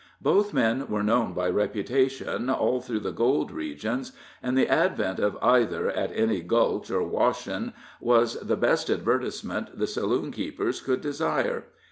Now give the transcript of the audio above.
Both men were known by reputation all through the gold regions, and the advent of either at any "gulch," or "washin'," was the best advertisement the saloon keepers could desire.